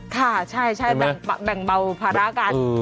ค่ะใช่แบ่งเบาภาระกัน